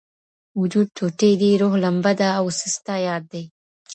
• وجود ټوټې دی، روح لمبه ده او څه ستا ياد دی.